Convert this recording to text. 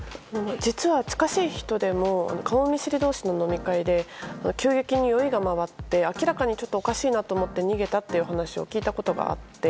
実は、近しい人でも顔見知り同士の飲み会で急激に酔いが回って明らかにちょっとおかしいなと思って逃げたと聞いたことがあって。